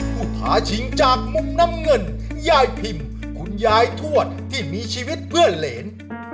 ท้าชิงจากมุมน้ำเงินยายพิมคุณยายทวดที่มีชีวิตเพื่อเหรน